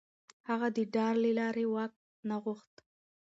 هغه د ډار له لارې واک نه غوښت.